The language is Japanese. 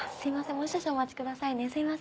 もう少々お待ちください。